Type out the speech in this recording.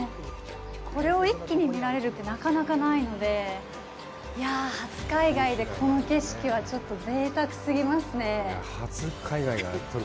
これを一気に見られるってなかなかないので初海外でこの景色はちょっとぜいたくすぎますね。